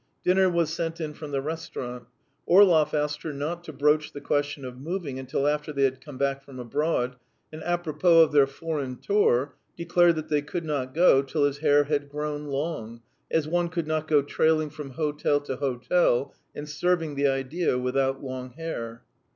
Dinner was sent in from the restaurant. Orlov asked her not to broach the question of moving until after they had come back from abroad, and apropos of their foreign tour, declared that they could not go till his hair had grown long, as one could not go trailing from hotel to hotel and serving the idea without long hair.